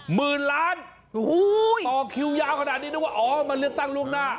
หมื่นล้านต่อคิวยาวขนาดนี้นึกว่าอ๋อมาเลือกตั้งล่วงหน้า